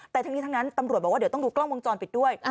แต่ทั้งนี้ทั้งนั้นตำรวจบอกว่าเดี๋ยวต้องดูกล้องวงจรปิดด้วย